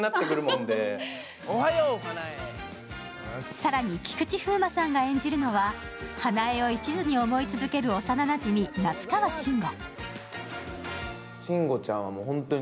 更に菊池風磨さんが演じるのは、花枝を一途に思い続ける幼なじみ、夏川慎吾。